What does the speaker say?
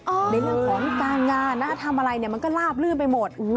ในเรื่องของการงานนะทำอะไรเนี่ยมันก็ลาบลื่นไปหมด